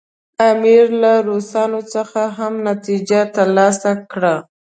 امیر له روسانو څخه هم نتیجه ترلاسه کړه.